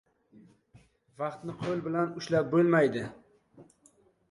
• Vaqtni qo‘l bilan ushlab bo‘lmaydi.